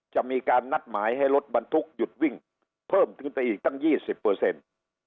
จะมีการนัดหมายให้รถบรรทุกหยุดวิ่งเพิ่มขึ้นไปอีกตั้งยี่สิบเปอร์เซ็นต์